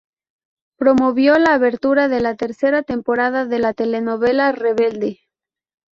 Promovió la abertura de la tercera temporada de la telenovela Rebelde.